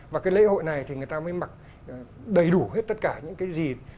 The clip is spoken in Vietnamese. và cái lễ hội này thì người ta mới mặc đầy đủ hết tất cả những cái gì